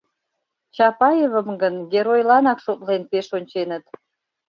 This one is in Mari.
Чапаевым гын геройланак шотлен пеш онченыт.